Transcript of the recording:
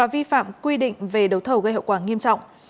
vi phạm quy định về đấu thầu gây hậu quả nghiêm trọng